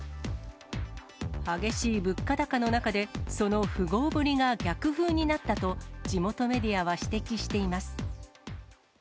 激しい物価高の中で、その富豪ぶりが逆風になったと、地元メディアは指摘しています。